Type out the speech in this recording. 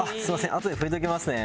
あとで拭いときますね。